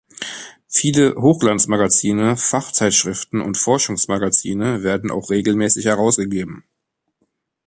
Viele Hochglanzmagazine, Fachzeitschriften und Forschungsmagazine werden auch regelmäßig herausgegeben.